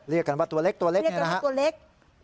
เรียกกันว่าตัวเล็กตัวเล็กเนี่ยนะฮะ